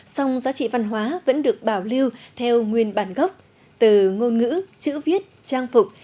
song giá trị văn hóa vẫn được bảo lưu theo nguyên bản gốc từ ngôn ngữ chữ viết trang phục